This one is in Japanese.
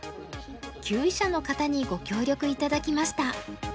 級位者の方にご協力頂きました。